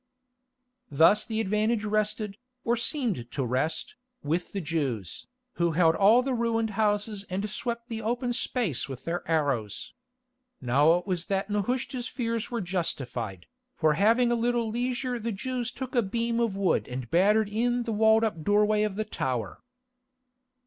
Thus the advantage rested, or seemed to rest, with the Jews, who held all the ruined houses and swept the open space with their arrows. Now it was that Nehushta's fears were justified, for having a little leisure the Jews took a beam of wood and battered in the walled up doorway of the tower.